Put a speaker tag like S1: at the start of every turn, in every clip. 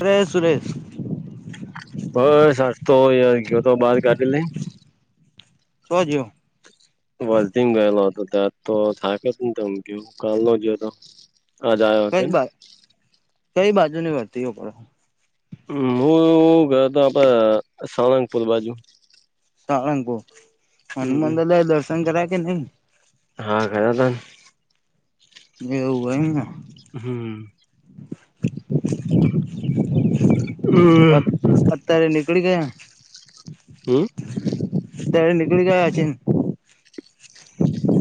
S1: અરે સુરેશ
S2: બસ હચતોય ગયો તો, બહાર કાઢેલ નહી.
S1: [unintelligible]
S2: વસથીન ગયેલો હતો. ત્યાં તો થા કે જ ન તમ કે કાલ ન જોયો હતો.
S1: કઈ બા કઈ બાજુ ની વર્તીઓ કરો
S2: હું ગયો તો, આપડે સાળંગપુર બાજુ
S1: સારંગપુર. હનુમાન
S2: હમ
S1: દાદા ને દર્શન કર્યા કે નહી
S2: હા ગયા થા ને
S1: એવું હોય ને
S2: હમ્મ
S1: [inaudible]
S2: હમ્મ
S1: અત્યારે નીકળી ગયા.
S2: હમ્મ
S1: ત્યારે નીકડી ગયા છેને.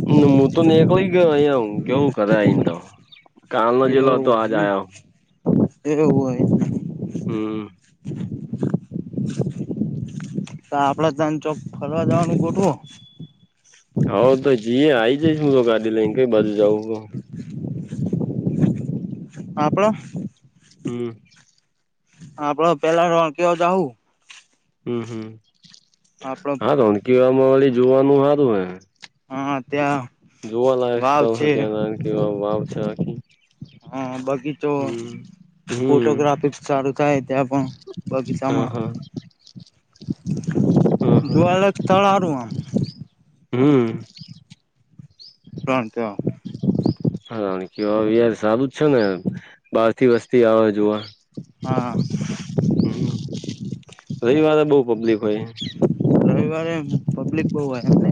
S2: હું તો નીકળી ગયો. અહીયા કેવું ખરે? આ તો કાલ ન જલો હતો
S1: એવું
S2: આજ
S1: હોય
S2: આવ
S1: એવું હોય.
S2: હમ્મ
S1: તો આપડે તં ચોક ફરવા જવાનું ગોઠવો.
S2: હઉ તો જીએ આઈ જ હું તો ગાડી લઈ કઈ બાજુ જાઉ
S1: આપણો.
S2: હમ્મ
S1: હ આપ પહેલા ર કેવા જાઉુ
S2: હમ હમ
S1: આપડે
S2: હા તોન કવામાં વાળી જોવાનું હા હતુ હે
S1: હા ત્યા
S2: જોવા લાયક સ્થળ હના છે, આખ
S1: હા બાકી તો
S2: હમ
S1: ફોટોગ્રાફી સારું થાય ત્યાં પણ
S2: હા
S1: બગીચામાં
S2: હા હા હા
S1: જોવા લાયક સ્થળ હારું આમ.
S2: હમ્મ.
S1: [unintelligible]
S2: હ કેવા યાર સારું જ છે ને બાર થી વસ્તી આવે જોવા.
S1: હા.
S2: રવિવારે બહુ પબ્લિક હોય.
S1: રવિવારે એમ પબ્લિક બહુ હોય એમને.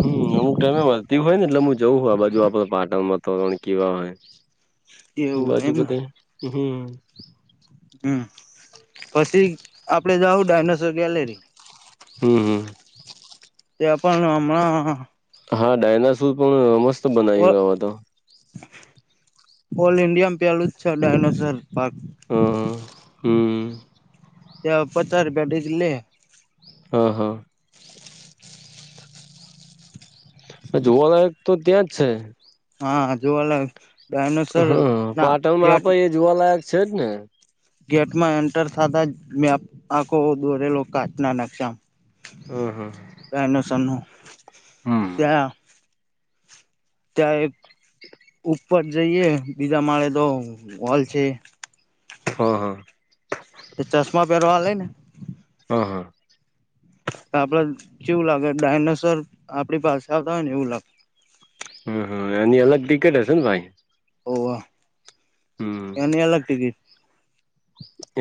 S2: હમ્મ અમુક ટાઈમે મળતી હોય ને એટલે હુ જવું હો આ બાજુ આપડે પાટણમાં તોરણ કેવા હોય.
S1: એવું હોય
S2: બાજુ
S1: એમને
S2: બધા હામ હામ.
S1: હામ પછી આપડે જાઉં ડાયનોસોર ગેલેરી.
S2: હમ્મ હમ.
S1: ત્યાં પણ હમણાં
S2: હા ડાયનોસાર પણ મસ્ત
S1: ઓ
S2: બનાવ્યું અવે તો.
S1: ઓલ ઇન્ડિયામાં પહેલું જ છે ડાયનોસોર પાર્ક.
S2: હા હમ્મ.
S1: તે પચર રૂપિયાટ ડેલી લે.
S2: હા હા. જોવાલાયક તો ત્યાં જ છે.
S1: હા જોવા લાયક ડાયનોસર ના ગેટ
S2: જુવા લાયક છે જ ને.
S1: ગેટમાં એન્ટર થતા જ મેપ આંખો દોરેલો કાચના નકસામ.
S2: હ હા.
S1: બનોસન નું
S2: હમ
S1: ત્યાં ત્યાં એક ઉપર જઈએ બીજા માળે તો હોલ છે.
S2: હા હા.
S1: તે ચશ્મા પહેરવા લે ને
S2: હા હા.
S1: આપડે જેવું લાગે ડાયનાસોર આપડી પાસે આવતા હોય ને એવું લાગે.
S2: હમ્મ હામ અને [unintelligible] ટિકટ [unintelligible] ને ભાઈ. હમ
S1: એ ની અલગ ટિકિટ.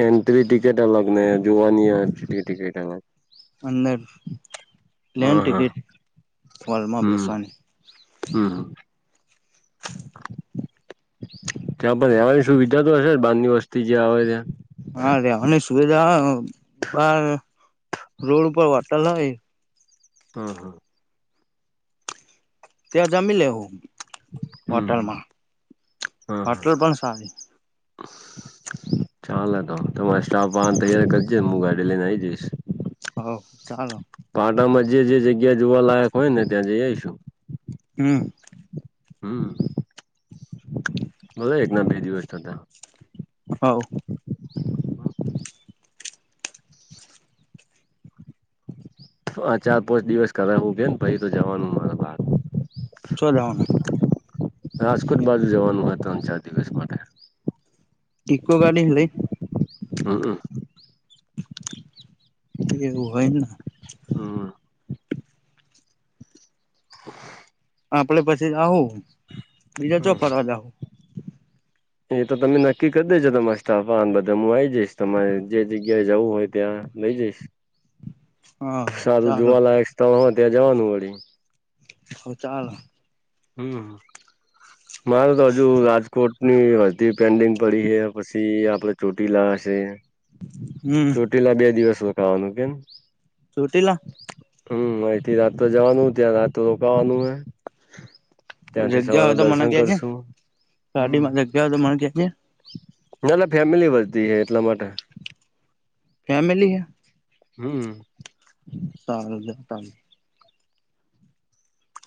S2: એન્ટ્રી ટિકિટ અલગ ને જોવાની ટિકિટ અલગ.
S1: અંદર પ્લેન
S2: હા હા
S1: ટિકિટ વાલમાં બેસવાની
S2: હમ્મ. ત્યાં પણ રહેવાની સુવિધા તો હશે બારની વસ્તી જ્યાં આવે ત્યાં.
S1: હા રેવાની સુવિધા [unintelligible] બાર રોડ ઉપર વાર્તાલ હોય.
S2: હા હા.
S1: ત્યાં જમી લેવું
S2: હમ
S1: હોટલમાં હોટલ પણ સારી.
S2: ચાલ તો તમારે સ્ટાફ વાન તૈયાર કરીજે હું ગાડી લઈને આઈ જઈશ.
S1: હ ચાલો.
S2: પાટામાં જે જે જગ્યા જોવા લયક હોય ને ત્યાં જઈ આવીશું.
S1: હમ્મ.
S2: હમ્મ. ભલે એક ના બે દિવસ થતા.
S1: હવ.
S2: હા ચાર પાંચ દિવસ કરાવવું કે ને પાઈ તો જવાનું [unintelligible]
S1: [unintelligible] જાવાનું.
S2: રાજકોટ બાજુ જવાનું હો ત્રણ ચાર દિવસ માટે.
S1: ઈકો ગાડી લઈ
S2: હમ
S1: એવું હોયને
S2: હા [unintelligible]
S1: આપડે પછી આવું બીજા
S2: હમ
S1: ચોપરવા જ આવુ
S2: એ તો તમે નક્કી કરી દેજો તમારા સ્ટાફને બધા હુ, આવી જઈશ તમારે જે જગ્યાએ જવું હોય ત્યા લ જઈશ
S1: હા
S2: સારું
S1: ચાલો
S2: જોવાલાયક છે, ત ત્યાં જવાનું વે
S1: હ ચાલ
S2: હમ મારે તો હજુ રાજકોટ ની અધી પેન્ડિંગ પડી હ પછી આપડ ચોટી લાવશે
S1: હમ્મ
S2: રૂ પલા બે દિવસ ખાવાનું કેમ
S1: છૂટલા
S2: હમ અહીથી રાતો તો જવાનું ત્યાં રાતો રોકાવાનું હ ત્યાંથી
S1: જગ્યા
S2: સવારે
S1: હોય તો
S2: દર્શન કરશું હમ
S1: એદો મણ્યાની
S2: નાટલે ફેમિલી વધતી હ એટલા માટે
S1: ફેમિલી હ
S2: હમ્મ
S1: સાર હજાર ત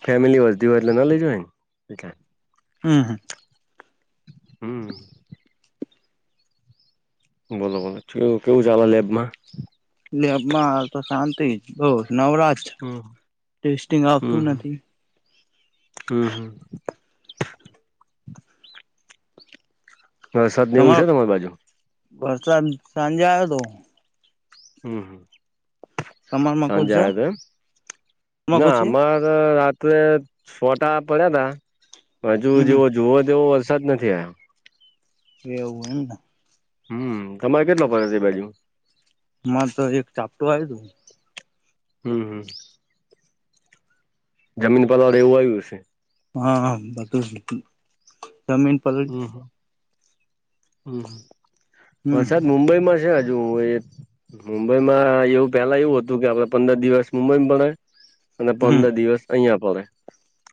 S2: ફેમિલી વતી હોય એટલે ના લઈજ
S1: હમ્મ હમ્મ
S2: હમ્મ બોલો બોલો કેું કેવું ચલા લેબમા
S1: લેબમાં તો શાંતિ જ, બહુ નવરાશ.
S2: હમ
S1: ટેસ્ટિંગ આવતું નથી
S2: હમ્મ
S1: [inaudible]
S2: હ સદન એવું છે
S1: તમારો
S2: તમારી બાજુ
S1: વરસાદ સાંજે આવ્યો હતો.
S2: હમ
S1: તમારમાં કુછ
S2: સાંજે
S1: છે
S2: આ તો
S1: તમાર
S2: ના
S1: કુછ છે
S2: અમારે રાત્રે સોટા પડ્યા તા હજુ
S1: હમ
S2: જેવો જોુઓ તોવો વરસાદ નથી આ્યા
S1: એવું એમ
S2: હમ તમારે કેટલો ફડ છે બાજુ
S1: માં તો એક ચાપટું આવ હતુ.
S2: હમ્મ જમીન પરવાર એવું આવ્યું હશે.
S1: હા બધું જમીન પર
S2: હમ
S1: હમ
S2: વરસાદ મુંબઈમાં છે, હજુ મુંબઈમાં એવું પેલા એવું હતું કે આપડે પંદર દિવસ મુંબઈમાં ભ અને
S1: હમ
S2: પંદર દિવસ અહં પડે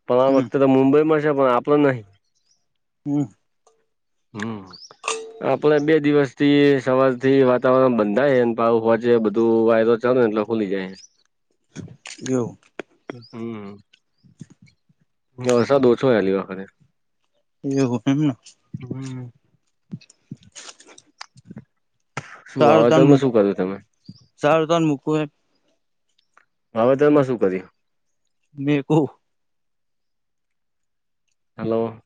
S2: પણ આ
S1: હમ
S2: વખતે તો મુંબઈમાં છે પણ આપડ નહી.
S1: હ
S2: હમ્મ આપડ બે દિવસ થી સવાર થી વાતાવરણ બંધાય ભાવ હોોચ બધું વાયદ ચાલ ને એટલે ખોલી જાય.
S1: એવ
S2: હમ્મ
S1: [inaudible]
S2: હસા દો છોલી વખતે
S1: એવ એમને
S2: હમ્મ શું
S1: સારું તાન
S2: વાવેતરમાં
S1: મૂક
S2: શું કરો તમે
S1: સારું તન મૂકું હે
S2: વાવેતરમાં શું કર્યું?
S1: મેકુ
S2: હલો.